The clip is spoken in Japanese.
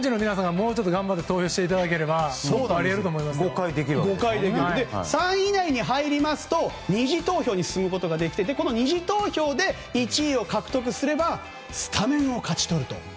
もうちょっと頑張って投票していただければ３位以内に入りますと２次投票に進むことができてこの２次投票で１位を獲得すればスタメンを勝ち取ると。